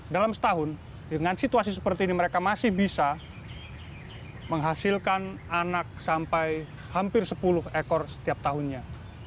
dalam setahun dengan situasi seperti ini mereka masih bisa menghasilkan anak sampai hampir sepuluh ekor setiap tahunnya